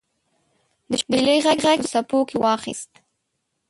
د شپیلۍ ږغ یې په څپو کې واخیست